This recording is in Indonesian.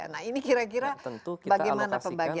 nah ini kira kira bagaimana pembagiannya